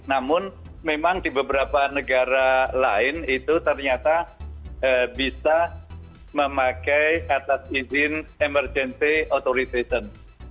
namun memang di beberapa negara lain itu ternyata bisa memakai atas izin emergency authorization